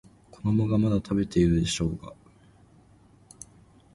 子供がまだ食べてるでしょうが。